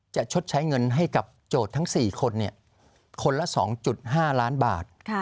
ชดใช้เงินให้กับโจทย์ทั้ง๔คนคนละ๒๕ล้านบาท